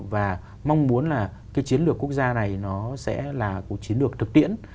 và mong muốn là cái chiến lược quốc gia này nó sẽ là một chiến lược thực tiễn